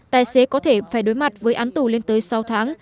tài xế có thể phải đối mặt với án tù lên tới sáu tháng